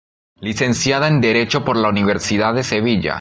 Licenciada en Derecho por la Universidad de Sevilla.